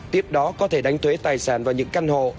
tiếp đó có thể đánh thuế tài sản vào những căn hộ